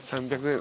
３００円。